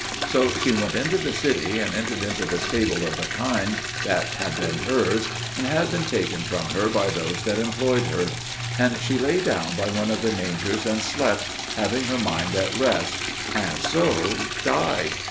So she went into the city, and entered into the stable of the kine that had been hers, and had been taken from her by those that employed her; and she lay down by one of the mangers and slept, having her mind at rest, and so died.